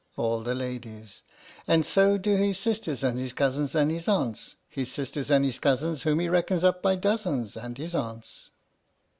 All the Ladies. And so do his sisters, and his cousins, and his aunts. His sisters and his cousins, Whom he reckons up by dozens, And his aunts